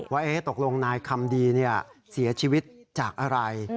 ว่าตกลงนายคำดีเสียชีวิตจากอะไร